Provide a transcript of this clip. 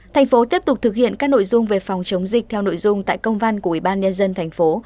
thành phố tiếp tục thực hiện các nội dung về phòng chống dịch theo nội dung tại công văn của ubnd thành phố